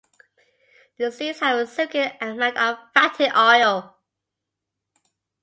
The seeds have a significant amount of fatty oil.